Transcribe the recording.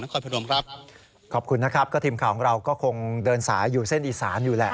ครับขอบคุณนะครับก็ของเราก็คงเดินสายอยู่เส้นอิจสารอยู่แหละ